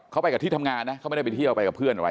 เขาไปกับที่ทำงานนะเขาไม่ได้ไปเที่ยวไปกับเพื่อนอะไร